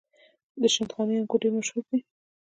د شندخاني انګور ډیر مشهور دي.